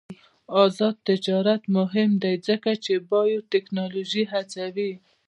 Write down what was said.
آزاد تجارت مهم دی ځکه چې بایوټیکنالوژي هڅوي.